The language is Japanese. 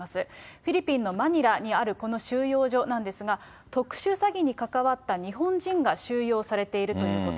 フィリピンのマニラにあるこの収容所なんですが、特殊詐欺に関わった日本人が収容されているということ。